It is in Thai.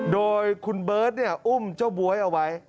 โดยคุณเบิร์ตอุ้มเจ้าบ๊วยเอาไว้